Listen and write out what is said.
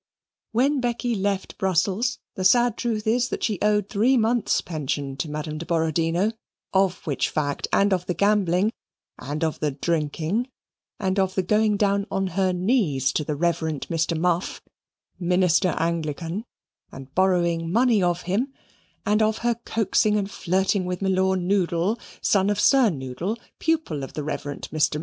When Becky left Brussels, the sad truth is that she owed three months' pension to Madame de Borodino, of which fact, and of the gambling, and of the drinking, and of the going down on her knees to the Reverend Mr. Muff, Ministre Anglican, and borrowing money of him, and of her coaxing and flirting with Milor Noodle, son of Sir Noodle, pupil of the Rev. Mr.